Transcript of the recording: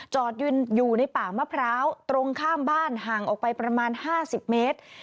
ยืนอยู่ในป่ามะพร้าวตรงข้ามบ้านห่างออกไปประมาณ๕๐เมตร